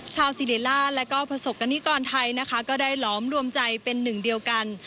ชาวซีเลล่าและก็ประสบกรณิกรไทยนะคะก็ได้หลอมรวมใจเป็นหนึ่งเดียวกัน